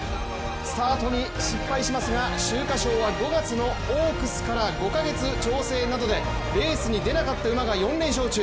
スタートに失敗しますが秋華賞は５月のオークスから５か月調整などでレースに出なかった馬が４連勝中。